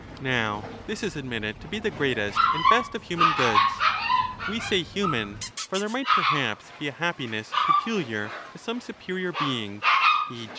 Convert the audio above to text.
Now this is admitted to be the greatest and best of human goods — we say human, for there might perhaps be a happiness peculiar to some superior being, e.